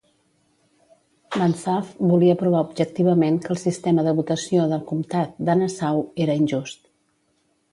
Banzhaf volia provar objectivament que el sistema de votació del Comtat de Nassau era injust.